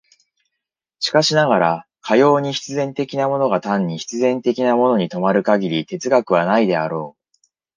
しかしながら、かように必然的なものが単に必然的なものに止まる限り哲学はないであろう。